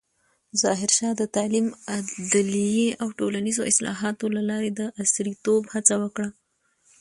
ظاهرشاه د تعلیم، عدلیې او ټولنیزو اصلاحاتو له لارې د عصریتوب هڅه وکړه.